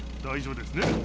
大丈夫ですね